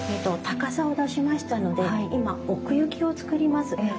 高さを出しましたので今奥行きを作ります。